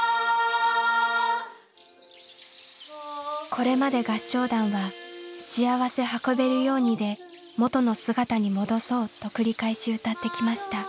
これまで合唱団は「しあわせ運べるように」で「もとの姿にもどそう」と繰り返し歌ってきました。